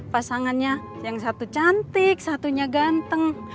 pasangannya yang satu cantik satunya ganteng